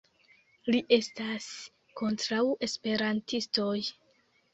Li estas kontraŭ esperantistoj